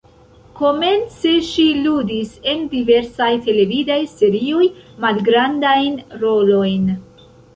Komence ŝi ludis en diversaj televidaj serioj, malgrandajn rolojn.